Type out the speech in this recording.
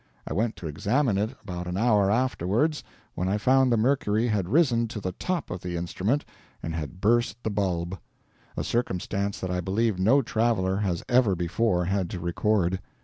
I went to examine it about an hour afterwards, when I found the mercury had risen to the top of the instrument and had burst the bulb, a circumstance that I believe no traveler has ever before had to record.